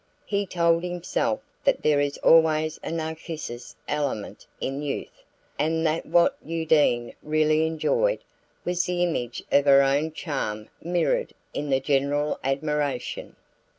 He told himself that there is always a Narcissus element in youth, and that what Undine really enjoyed was the image of her own charm mirrored in the general admiration.